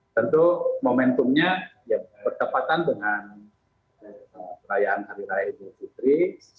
tentu momentumnya ya berkepatan dengan perayaan hari raya ibu putri